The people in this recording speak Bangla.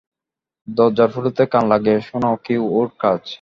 দরজার ফুটোতে কান লাগিয়ে শোনাও কি ওর কাজ?